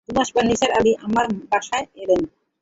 দু, মাস পর নিসার আলি আমার বাসায় এলেন।